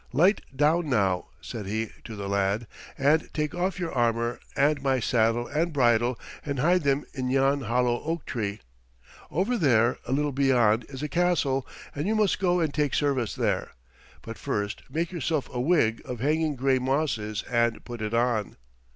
"Light down now," said he to the lad, "and take off your armor and my saddle and bridle and hide them in yon hollow oak tree. Over there, a little beyond, is a castle, and you must go and take service there. But first make yourself a wig of hanging gray mosses and put it on."